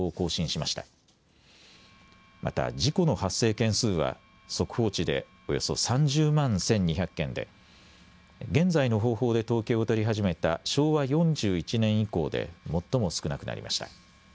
また事故の発生件数は速報値でおよそ３０万１２００件で現在の方法で統計を取り始めた昭和４１年以降で最も少なくなりました。